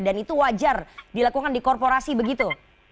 dan itu wajar dilakukan di korporasi begitu